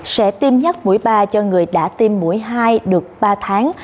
sẽ tiêm nhắc mũi ba cho người đã tiêm mũi hai được ba tháng